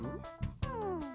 うん。